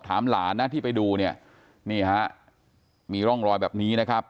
ถามหลานนะที่ไปดูเนี่ยนี่ฮะมีร่องรอยแบบนี้นะครับ